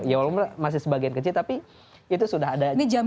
ya masih sebagian kecil tapi itu sudah ada jaminan pasar